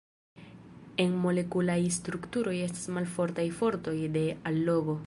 En molekulaj strukturoj estas malfortaj fortoj de allogo.